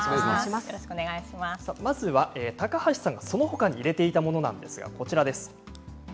まずは高橋さんが、そのほかに入れていたものなんですがこちらです。